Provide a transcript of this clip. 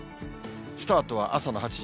スタートは朝の８時。